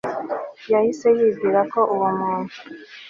yahise yibwira ko uwo muntu